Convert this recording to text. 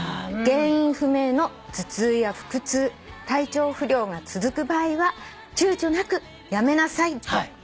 「原因不明の頭痛や腹痛体調不良が続く場合はちゅうちょなく辞めなさいと」